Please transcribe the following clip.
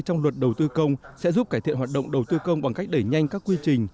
trong luật đầu tư công sẽ giúp cải thiện hoạt động đầu tư công bằng cách đẩy nhanh các quy trình